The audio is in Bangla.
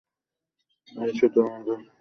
আমি শুধু আমাদের বস আর কুবুরকে দেখেছিলাম।